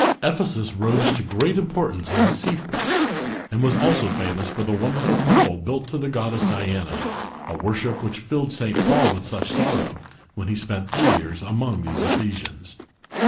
Ephesus rose to great importance as a seaport, and was also famous for the wonderful temple built to the goddess Diana, a worship which filled St Paul with such sorrow, when he spent three years among these Ephesians.